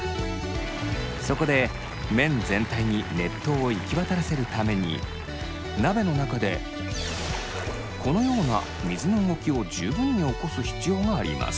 そこで麺全体に熱湯を行き渡らせるために鍋の中でこのような水の動きを十分に起こす必要があります。